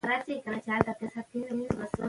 موږ هیله لرو چې هېڅ ماشوم له زده کړې پاتې نسي.